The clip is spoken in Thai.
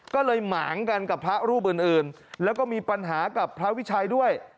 ก็เลยหมางกันกับพระรูปอื่นแล้วก็มีปัญหากับพระวิชัยด้วย